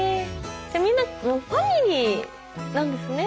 みんなファミリーなんですね。